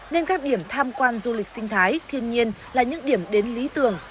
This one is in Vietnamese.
nên các điểm tham quan du lịch sinh thái thiên nhiên là những điểm đến lý tưởng